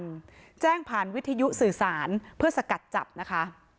แจ้งผ่านวิทยุสื่อสารเพื่อสกัดจับนะคะ